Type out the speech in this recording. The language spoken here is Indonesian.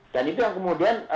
dan itu yang kemudian